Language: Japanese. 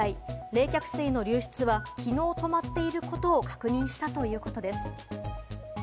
冷却の流出はきのう止まっていることを確認したということです。